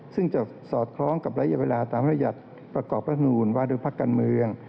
ซึ่งจะสอดคล้องกับระยะเวลาตามระยะประกอบพนุนว่าโดยพักการเมือง